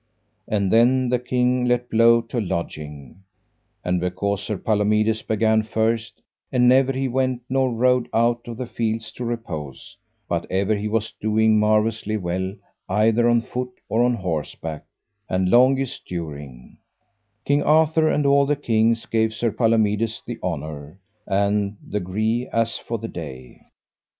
And then the king let blow to lodging; and because Sir Palomides began first, and never he went nor rode out of the field to repose, but ever he was doing marvellously well either on foot or on horseback, and longest during, King Arthur and all the kings gave Sir Palomides the honour and the gree as for that day.